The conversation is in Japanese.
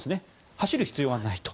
走る必要がないと。